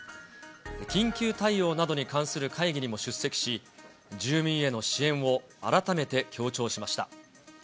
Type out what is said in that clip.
緊急対応などに関する会議にも出席し、住民への支援を改めて強調しました。